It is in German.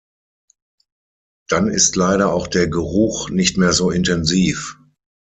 Dann ist leider auch der Geruch nicht mehr so intensiv.